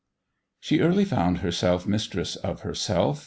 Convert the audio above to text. She early found herself mistress of herself.